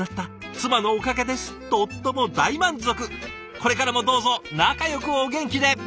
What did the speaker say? これからもどうぞ仲よくお元気で！